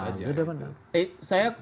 saya konfirmasi sekali lagi